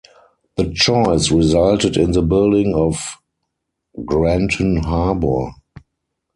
The choice resulted in the building of Granton Harbour.